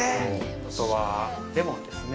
あとは、レモンですね。